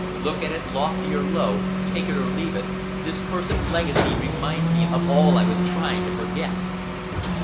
Look at it lofty or low take it or leave it this cursed legacy reminds me of all I was trying to forget."